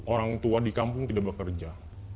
orang tua di kampung tidak bekerja